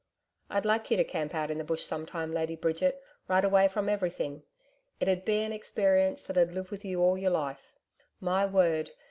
'I'd like you to camp out in the Bush sometime, Lady Bridget, right away from everything it'ud be an experience that 'ud live with you all your life My word!